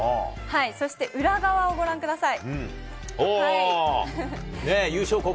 そして裏側をご覧ください。